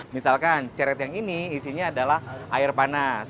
misalkan ceret yang ini isinya adalah air panas